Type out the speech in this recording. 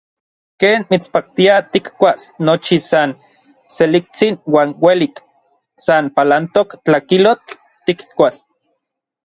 Ken mitspaktia tikkuas nochi san seliktsin uan uelik, san palantok tlakilotl tikkuas.